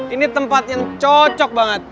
ini tempat yang cocok banget